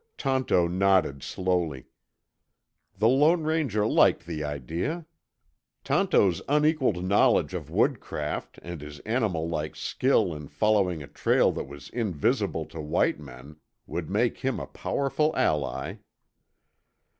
Tonto nodded slowly. The Lone Ranger liked the idea. Tonto's unequaled knowledge of woodcraft and his animal like skill in following a trail that was invisible to white men would make him a powerful ally.